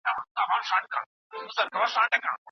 کومي کميټي ډیري مهمي دي؟